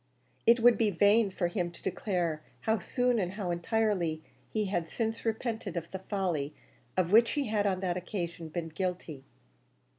It would be vain for him to declare how soon and how entirely he had since repented of the folly of which he had on that occasion been guilty.